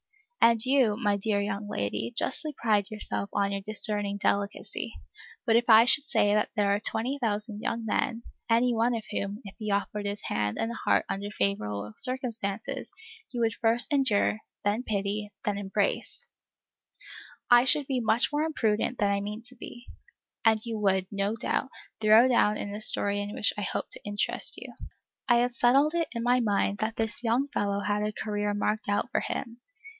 And you, my dear young lady, justly pride yourself on your discerning delicacy; but if I should say that there are twenty thousand young men, any one of whom, if he offered his hand and heart under favorable circumstances, you would "First endure, then pity, then embrace," I should be much more imprudent than I mean to be, and you would, no doubt, throw down a story in which I hope to interest you. I had settled it in my mind that this young fellow had a career marked out for him.